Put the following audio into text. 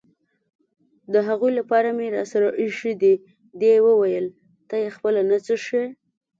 د هغوی لپاره مې راسره اېښي دي، دې وویل: ته یې خپله نه څښې؟